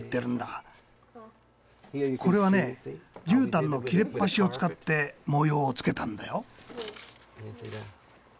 これはねじゅうたんの切れっ端を使って模様をつけたんだよ。